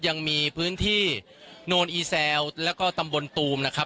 ยังมีพื้นที่โนนอีแซวแล้วก็ตำบลตูมนะครับ